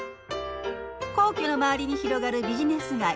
皇居の周りに広がるビジネス街。